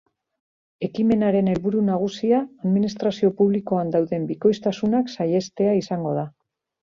Ekimenaren helburu nagusia administrazio publikoan dauden bikoiztasunak saihestea izango da.